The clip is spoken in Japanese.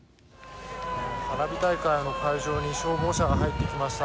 花火大会の会場に消防車が入ってきました。